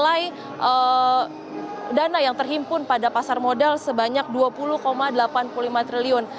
dan infrastruktur ini mencatatkan nilai dana yang terhimpun pada pasar modal sebanyak dua puluh delapan puluh lima triliun